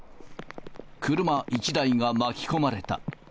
車１台が巻き込まれた。